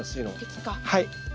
はい。